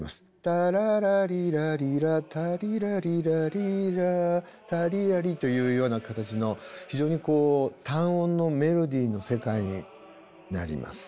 「タララリラリラタリラリラリラタリラリ」というような形の非常にこう単音のメロディーの世界になります。